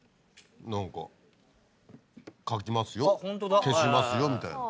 何か書きますよ消しますよみたいな。